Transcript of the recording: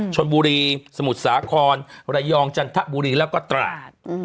ชนบุรีสมุทรสาครระยองจันทบุรีแล้วก็ตราด